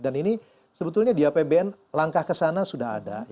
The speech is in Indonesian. dan ini sebetulnya di apbn langkah kesana sudah ada